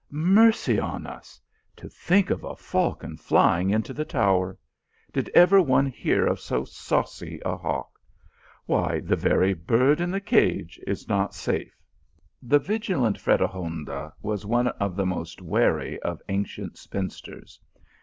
" Mercy on us ! To think of a falcon flying into the tower. Did ever one hear of so saucy a hawk ? Why, the very bird in the cage is not safe." The vigilant Fredegonda was one of the most wary of ancient spinsters.